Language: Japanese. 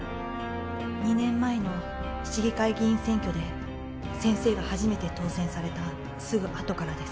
２年前の市議会議員選挙で先生が初めて当選されたすぐあとからです